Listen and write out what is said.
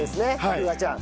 楓空ちゃん。